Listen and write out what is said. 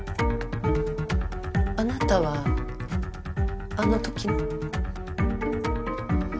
あなたはあの時の？